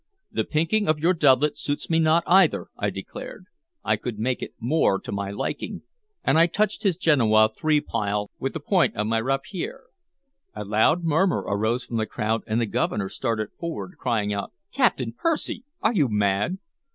"The pinking of your doublet suits me not, either," I declared. "I could make it more to my liking," and I touched his Genoa three pile with the point of my rapier. A loud murmur arose from the crowd, and the Governor started forward, crying out, "Captain Percy! Are you mad?"